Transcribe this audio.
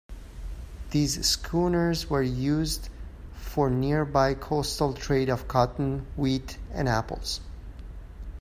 These schooners were used for nearby coastal trade of cotton, wheat and apples.